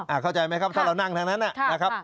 เข้าใจไหมครับถ้าเรานั่งทั้งนั้นนะครับ